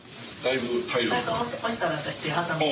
押したら私手挟まる。